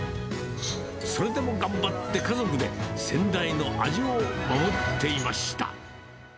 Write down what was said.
それでも頑張って、家族で先代の味を守っていました。